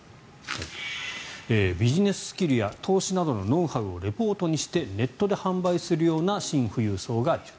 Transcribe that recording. ビジネススキルや投資などのノウハウをリポートにしてネットで販売するようなシン富裕層がいる。